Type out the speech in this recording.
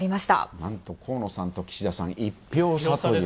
なんと、河野さんと岸田さん、１票差という。